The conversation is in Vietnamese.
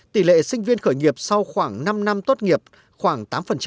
tỷ lệ sinh viên khởi nghiệp sau khoảng năm năm tốt nghiệp khoảng tám